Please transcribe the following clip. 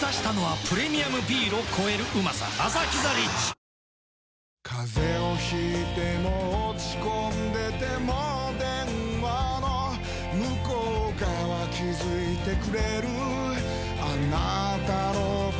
この後風邪を引いても落ち込んでても電話の向こう側気付いてくれるあなたの声